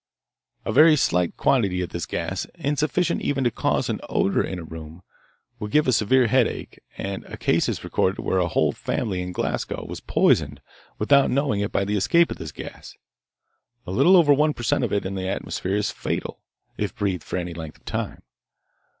A very slight quantity of this gas, insufficient even to cause an odour in a room, will give a severe headache, and a case is recorded where a whole family in Glasgow was poisoned without knowing it by the escape of this gas. A little over one per cent of it in the atmosphere is fatal, if breathed for any length of time.